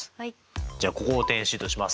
じゃあここを点Ｃとします。